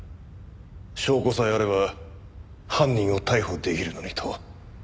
証拠さえあれば犯人を逮捕できるのにと。